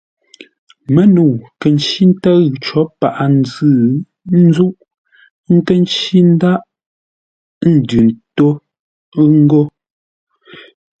Mə́nəu kə̂ ncí ntə́ʉ có paghʼə-nzʉ̂ ńzúʼ, ə́ nkə́ ncí ńdághʼ ndʉ ntó ngô.